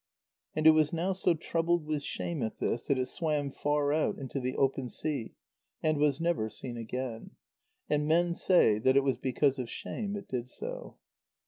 And it was now so troubled with shame at this that it swam far out into the open sea and was never seen again. And men say that it was because of shame it did so.